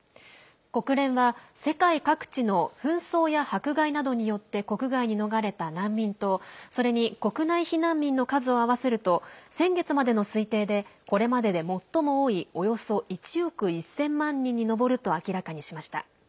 国連は、世界各地の紛争や迫害などによって国外に逃れた難民と、それに国内避難民の数を合わせると先月までの推定でこれまでで最も多いおよそ１億１０００万人に上ると明らかにしました。